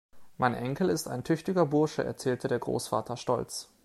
Mein Enkel ist ein tüchtiger Bursche, erzählte der Großvater stolz.